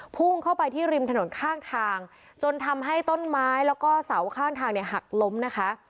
พุ่งเข้าไปที่ริมถนนข้างทางจนทำให้ต้นไม้แล้วก็เสาข้างทางเนี่ยหักล้มนะคะ